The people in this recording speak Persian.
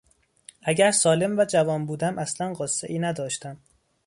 اگر سالم و جوان بودم اصلا غصهای نداشتم.